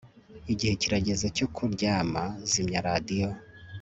Igihe kirageze cyo kuryama Zimya radiyo